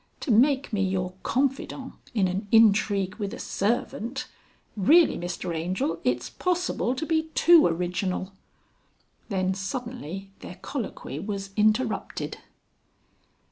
"To make me your confidant in an intrigue with a servant. Really Mr Angel it's possible to be too original...." Then suddenly their colloquy was interrupted.